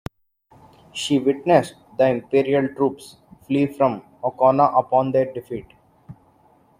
She witnessed the imperial troops flee from Aucona upon their defeat.